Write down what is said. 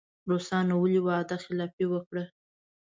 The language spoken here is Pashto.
روسانو ولې وعده خلافي وکړه.